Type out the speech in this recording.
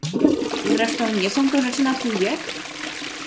"Zresztą nie są to rzeczy na twój wiek!"